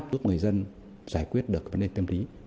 để giúp người dân giải quyết được vấn đề tiêm lý